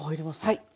はい。